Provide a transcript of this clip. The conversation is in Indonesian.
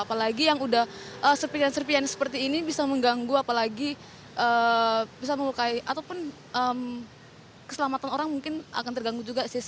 apalagi yang udah serpian serpian seperti ini bisa mengganggu apalagi bisa melukai ataupun keselamatan orang mungkin akan terganggu juga sih